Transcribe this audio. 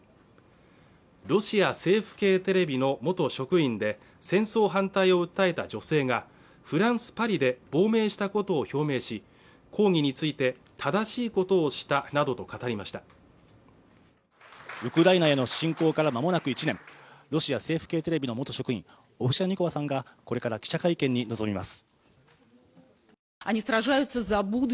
ロシア政府系テレビの元職員で戦争反対を訴えた女性がフランス・パリで亡命したことを表明し抗議について正しいことをしたなどと語りましたウクライナへの侵攻からまもなく１年ロシア政府系テレビの元職員オフシャンニコワさんがこれから記者会見に臨みます